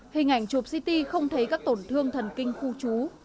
hình ảnh chụp ct không thấy các tổn thương thần kinh khu trú